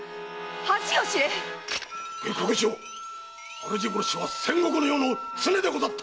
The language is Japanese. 下克上主殺しは戦国の世の常でござった！